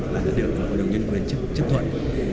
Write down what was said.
và đã được hội đồng nhân quyền chấp thuận